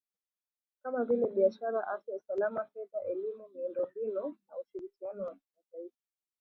kama vile biashara afya usalama fedha elimu miundo mbinu na ushirikiano wa kimataifa